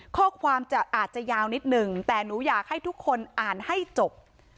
ข้อความจะอาจจะยาวนิดนึงแต่หนูอยากให้ทุกคนอ่านให้จบ